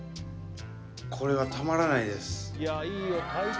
これはたまらないですうわ